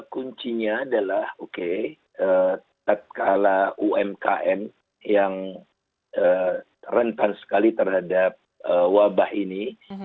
kuncinya adalah oke tak kalah umkm yang rentan sekali terhadap wabah ini